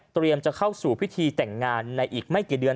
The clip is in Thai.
จะเข้าสู่พิธีแต่งงานในอีกไม่กี่เดือน